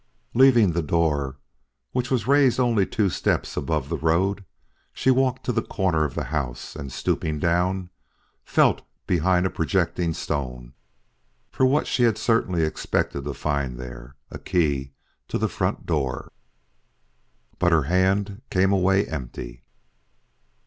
Leaving the door, which was raised only two steps above the road, she walked to the corner of the house and stooping down, felt behind a projecting stone for what she had certainly expected to find there a key to the front door. But her hand came away empty.